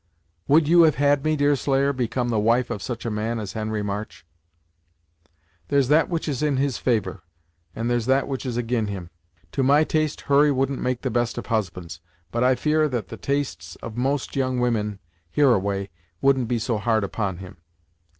"Would you have had me, Deerslayer, become the wife of such a man as Henry March?" "There's that which is in his favor, and there's that which is ag'in him. To my taste, Hurry wouldn't make the best of husbands, but I fear that the tastes of most young women, hereaway, wouldn't be so hard upon him."